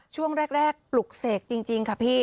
ช่วงแรกปลุกเสกจริงค่ะพี่